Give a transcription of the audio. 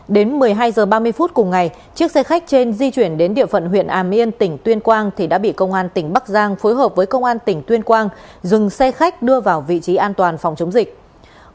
đến một mươi hai h ba mươi phút cùng ngày chiếc xe khách trên di chuyển đến địa phận huyện hàm yên tỉnh tuyên quang thì đã bị công an tỉnh bắc giang phối hợp với công an tỉnh tuyên quang dừng xe khách đưa vào vị trí an toàn phòng chống dịch